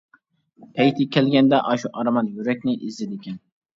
پەيتى كەلگەندە ئاشۇ ئارمان يۈرەكنى ئېزىدىكەن.